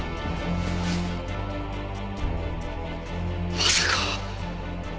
まさか。